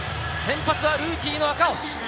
先発はルーキーの赤星。